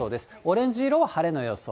オレンジ色は晴れの予想。